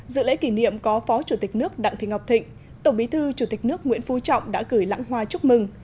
dự lễ kỷ niệm có phó chủ tịch nước đặng thị ngọc thịnh tổng bí thư chủ tịch nước nguyễn phú trọng đã gửi lãng hoa chúc mừng